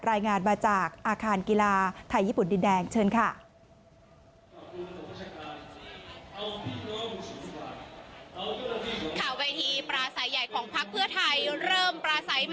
รายงานมาจากอาคารกีฬาไทยญี่ปุ่นดินแดงเชิญค่ะ